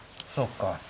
そうか。